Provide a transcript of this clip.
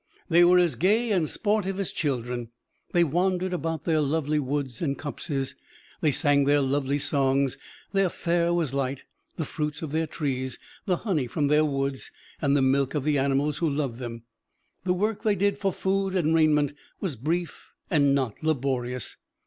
They were as gay and sportive as children. They wandered about their lovely woods and copses, they sang their lovely songs; their fare was light the fruits of their trees, the honey from their woods, and the milk of the animals who loved them. The work they did for food and raiment was brief and not laborious.